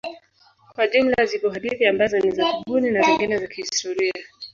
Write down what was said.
Kwa jumla zipo hadithi ambazo ni za kubuni na zingine za kihistoria.